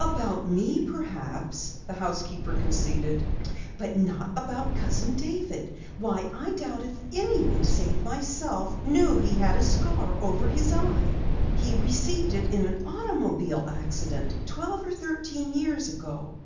"About me, perhaps," the housekeeper conceded. "But not about Cousin David. Why, I doubt if anyone save myself knew he had a scar over his eye. He received it in an automobile accident twelve or thirteen years ago."